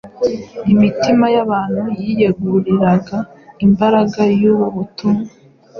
imitima y’abantu yiyeguriraga imbaraga y’ubu butumwa.